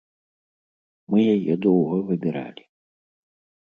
Мы яе доўга выбіралі.